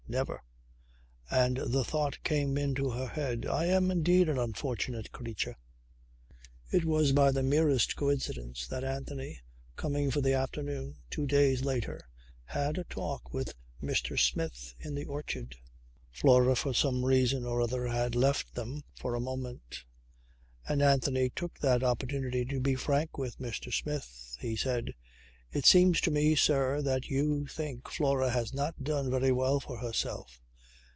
Never. And the thought came into her head: "I am indeed an unfortunate creature!" It was by the merest coincidence that Anthony coming for the afternoon two days later had a talk with Mr. Smith in the orchard. Flora for some reason or other had left them for a moment; and Anthony took that opportunity to be frank with Mr. Smith. He said: "It seems to me, sir, that you think Flora has not done very well for herself.